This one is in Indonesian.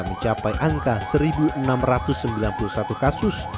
mencapai angka satu enam ratus sembilan puluh satu kasus